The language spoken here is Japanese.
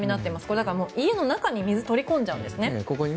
これ、だから家の中に水を取り込んじゃうんですね。